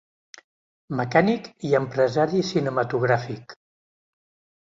Mecànic i empresari cinematogràfic.